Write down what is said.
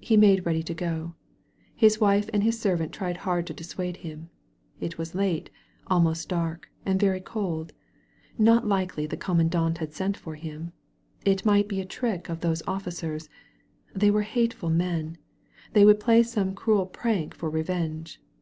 He made ready to go. His wife and his servant tried hard to dissuade him: it was late, almost dark, and very cold — ^not likely the commandant had sent for him — ^it might be all a trick of those officers — they were hateful men — ^they would play some cruel prank for revenge.